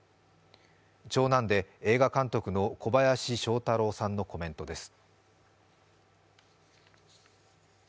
長男で映画監督の小林聖太郎さんのコメントです。